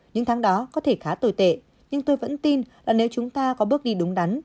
những tháng đó có thể khá tồi tệ nhưng tôi vẫn tin là nếu chúng ta có bước đi đúng đắn